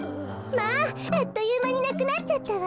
まああっというまになくなっちゃったわ。